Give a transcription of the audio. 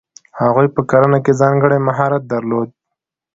هغوی په کرنه کې ځانګړی مهارت درلود.